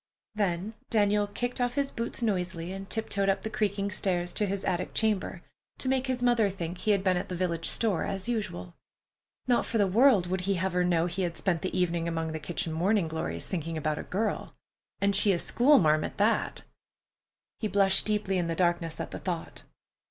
Then Daniel kicked off his boots noisily and tiptoed up the creaking stairs to his attic chamber, to make his mother think he had been at the village store, as usual. Not for the world would he have her know he had spent the evening among the kitchen morning glories, thinking about a girl! And she a schoolmarm at that! He blushed deeply in the darkness at the thought.